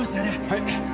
はい！